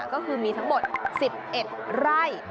ก็คือมีทั้งหมด๑๑ไร่